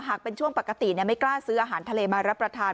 หากเป็นช่วงปกติไม่กล้าซื้ออาหารทะเลมารับประทาน